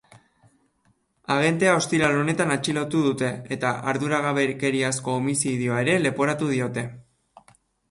Agentea ostiral honetan atxilotu dute, eta arduragabekeriazko homizidioa ere leporatu diote.